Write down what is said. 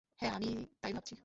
হ্যাঁ, আমিও তাই ভাবছি।